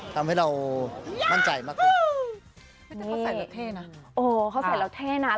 เขาใส่แล้วเท่นะ